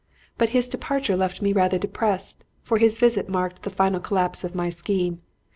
But his departure left me rather depressed, for his visit marked the final collapse of my scheme.